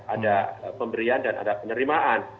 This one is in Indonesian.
ada pemberian dan ada penerimaan